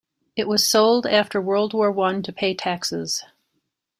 It was sold after World War One to pay taxes.